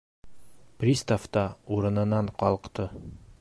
Пристав та урынынан ҡалҡты.